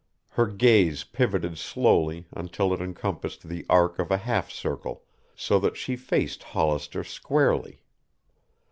Her gaze pivoted slowly until it encompassed the arc of a half circle, so that she faced Hollister squarely.